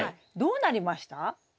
どうなりました？